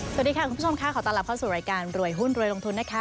สวัสดีค่ะคุณผู้ชมค่ะขอต้อนรับเข้าสู่รายการรวยหุ้นรวยลงทุนนะคะ